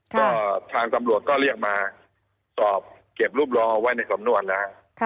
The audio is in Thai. ก็ทางตำรวจก็เรียกมาสอบเก็บรูปรอไว้ในสำนวนแล้ว